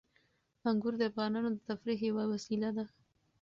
انګور د افغانانو د تفریح یوه وسیله ده.